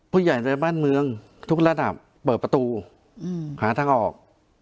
ผู้ใหญ่ในบ้านเมืองทุกระดับเปิดประตูหาทางออก